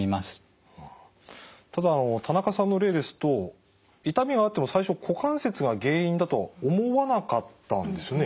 ただ田中さんの例ですと痛みはあっても最初股関節が原因だとは思わなかったんですよね。